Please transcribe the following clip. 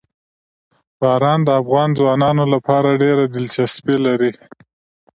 باران د افغان ځوانانو لپاره ډېره دلچسپي لري.